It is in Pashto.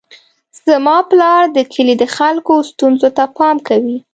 زما پلار د کلي د خلکو ستونزو ته پام کوي.